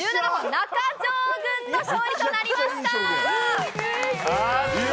中条軍の勝利となりました！